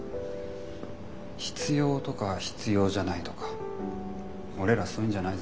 必要とか必要じゃないとか俺らそういうんじゃないぞ。